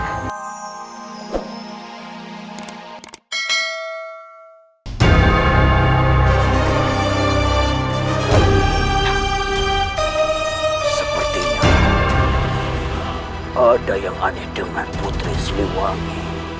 sepertinya ada yang aneh dengan putri sliwangi